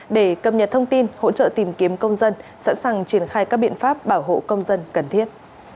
để cập nhật thông tin hỗ trợ tìm kiếm công dân sẵn sàng triển khai các biện pháp bảo hộ công dân cần thiết